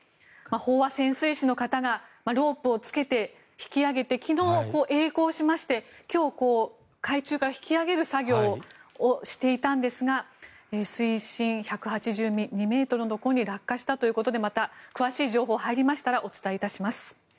飽和潜水士の方がロープをつけて引き揚げて昨日、えい航しまして今日、海中から引き揚げる作業をしていたんですが水深１８２ｍのところに落下したということでまた、詳しい情報が入りましたらお伝えします。